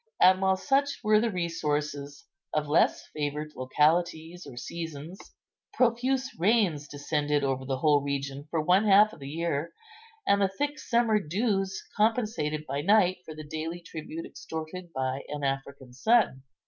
And, while such were the resources of less favoured localities or seasons, profuse rains descended over the whole region for one half of the year, and the thick summer dews compensated by night for the daily tribute extorted by an African sun.